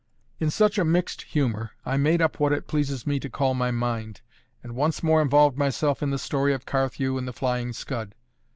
In such a mixed humour, I made up what it pleases me to call my mind, and once more involved myself in the story of Carthew and the Flying Scud.